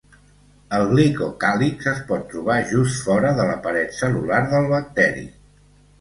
El glicocàlix es pot trobar just fora de la paret cel·lular del bacteri.